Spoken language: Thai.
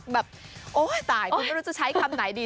แบบโอ้ยตายคุณก็รู้จะใช้คำไหนดี